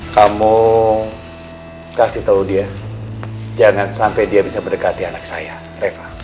kamu kasih tahu dia jangan sampai dia bisa mendekati anak saya eva